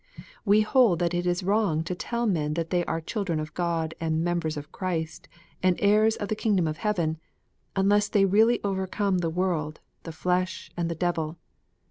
We hold that it is wrong to tell men that they are " children of God, and members of Christ, and heirs of the kingdom of heaven," unless they really overcome the world, the flesh, and the devil.